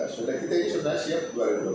sudah kita sudah siap dua ribu dua puluh satu